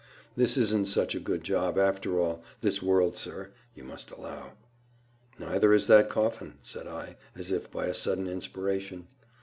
This isn't such a good job, after all, this world, sir, you must allow." "Neither is that coffin," said I, as if by a sudden inspiration.